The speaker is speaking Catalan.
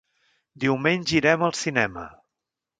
Diumenge irem al cinema.